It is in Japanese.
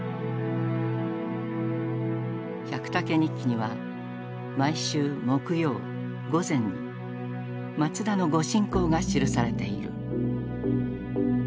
「百武日記」には毎週木曜午前に松田の御進講が記されている。